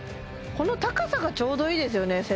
この高さがちょうどいいですよね